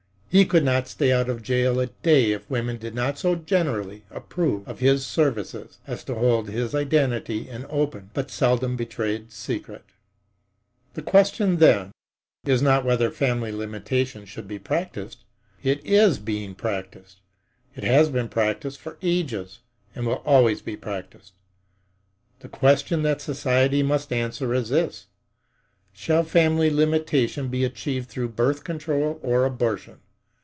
He could not stay out of jail a day if women did not so generally approve of his services as to hold his identity an open but seldom betrayed secret. The question, then, is not whether family limitation should be practiced. It is being practiced; it has been practiced for ages and it will always be practiced. The question that society must answer is this: Shall family limitation be achieved through birth control or abortion?